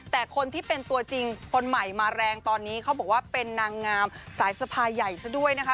แต่คนที่เป็นตัวจริงคนใหม่มาแรงตอนนี้เขาบอกว่าเป็นนางงามสายสะพายใหญ่ซะด้วยนะคะ